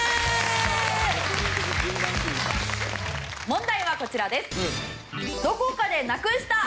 問題はこちらです。